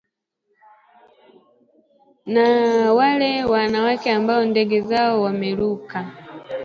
naye wale wanawake ambao ndege zao wameruka